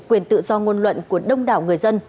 quyền tự do ngôn luận của đông đất